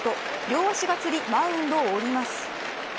両足がつりマウンドを降ります。